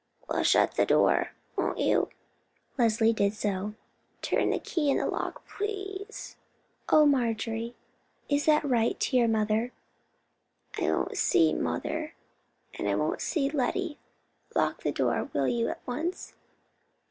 "Well, shut the door, won't you?" Leslie did so. "Turn the key in the lock, please." "Oh, Marjorie! is that right to your mother?" "I won't see mother, and I won't see Lettie. Lock the door, will you, at once?"